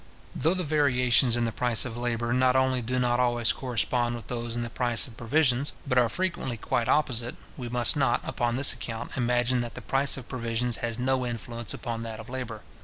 Though the variations in the price of labour not only do not always correspond with those in the price of provisions, but are frequently quite opposite, we must not, upon this account, imagine that the price of provisions has no influence upon that of labour.